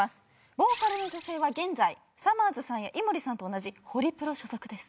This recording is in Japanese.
ボーカルの女性は現在さまぁずさんや井森さんと同じホリプロ所属です。